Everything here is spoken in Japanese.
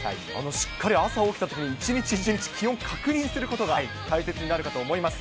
しっかり、朝起きたときに、一日一日、気温確認することが大切になるかと思います。